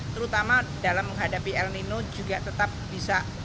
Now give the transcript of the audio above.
terutama dalam menghadapi el nino juga tetap bisa